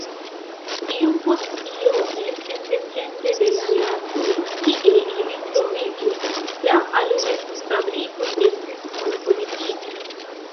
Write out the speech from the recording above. Iompostiome, sendepende de la landoj, kie ili troviĝis, la alumetfabrikoj estis monopoligitaj.